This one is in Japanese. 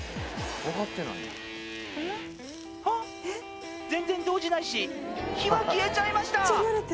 あっ全然動じないし火は消えちゃいました